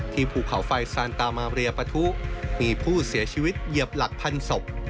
ภูเขาไฟซานตามาเรียปะทุมีผู้เสียชีวิตเหยียบหลักพันศพ